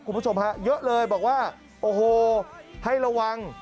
คุณผู้ชมฮะเยอะเลยบอกว่าโอ้โหให้ระวัง